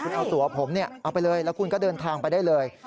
คุณเอาตัวผมเอาไปเลยแล้วคุณก็เดินทางไปได้เลย